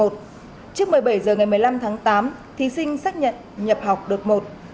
trước một mươi bảy h ngày một mươi năm tháng tám thí sinh xác nhận nhập học đợt một